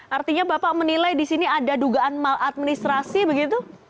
artinya bapak menilai di sini ada dugaan maladministrasi begitu